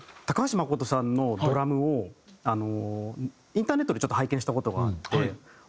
高橋まことさんのドラムをインターネットでちょっと拝見した事があって。